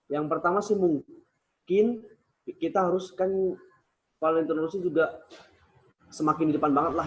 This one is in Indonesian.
yang pertama sih mungkin kita harus kan kalau informasi juga semakin di depan banget lah